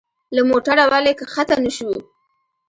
له موټره ولي کښته نه شو؟